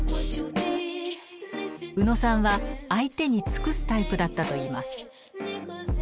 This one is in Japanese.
宇野さんは相手に尽くすタイプだったといいます。